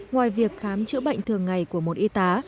ngoài việc khám chữa bệnh thường ngày của một y tá